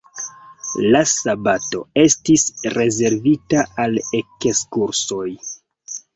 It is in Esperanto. La sabato estis rezervita al ekskursoj.